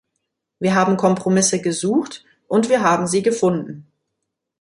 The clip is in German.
Wir haben Kompromisse gesucht und wir haben sie gefunden.